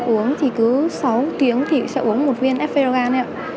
uống thì cứ sáu tiếng thì sẽ uống một viên efergan